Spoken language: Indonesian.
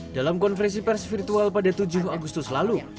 dalam konferensi pers virtual pada tujuh agustus lalu